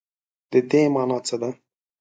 د دې مانا څه ده ؟